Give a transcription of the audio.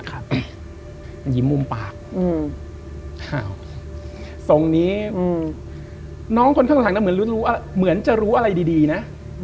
มันยิ้มมุมปากส่งนี้น้องคนข้างน่ะเหมือนจะรู้อะไรดีนะ